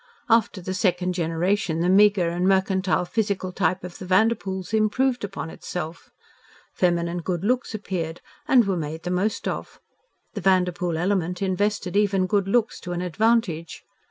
After the second generation the meagre and mercantile physical type of the Vanderpoels improved upon itself. Feminine good looks appeared and were made the most of. The Vanderpoel element invested even good looks to an advantage.